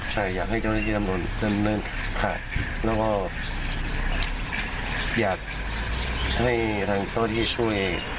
ใช่อยากให้เจ้าหน้าที่ตำรวจดำเนินขาดแล้วก็อยากให้ทางเจ้าที่ช่วย